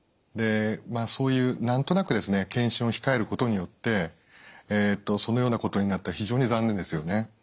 まあそういう何となく検診を控えることによってそのようなことになっては非常に残念ですよね。